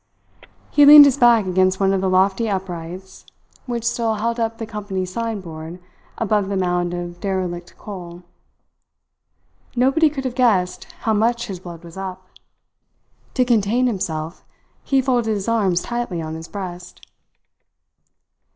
He leaned his back against one of the lofty uprights which still held up the company's signboard above the mound of derelict coal. Nobody could have guessed how much his blood was up. To contain himself he folded his arms tightly on his breast.